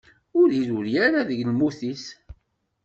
Ur iru ara deg lmut-is.